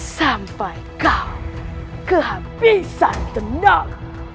sampai kau kehabisan tenang